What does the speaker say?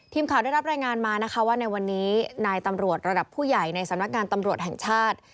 ทีมข่าวได้รับรายงานมานะคะว่าในวันนี้นายตำรวจระดับผู้ใหญ่ในสำนักงานตำรวจแห่งชาติ